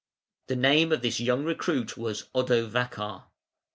The name of this young recruit was Odovacar.